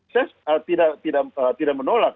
saya tidak menolak